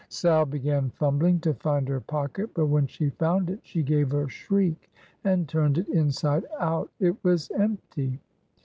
Sal began fumbling to find her pocket, but when she found it, she gave a shriek, and turned it inside out. It was empty!